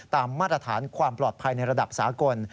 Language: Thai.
มาตรฐานความปลอดภัยในระดับสากล